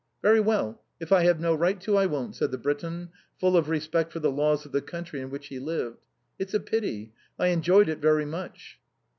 "Very well, if I have no right to, I won't," said the Briton, full of respect for the laws of the country in which he lived. " It's a pity; I enjoyed it very much."